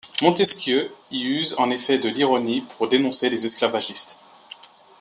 Montesquieu y use en effet de l'ironie pour dénoncer les esclavagistes.